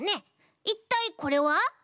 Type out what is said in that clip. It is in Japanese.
いったいこれは？